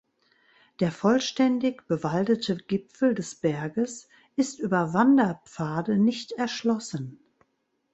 Der vollständig bewaldete Gipfel des Berges ist über Wanderpfade nicht erschlossen.